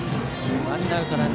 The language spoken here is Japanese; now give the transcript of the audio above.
ワンアウトです。